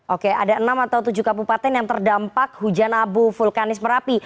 oke ada enam atau tujuh kabupaten yang terdampak hujan abu vulkanis merapi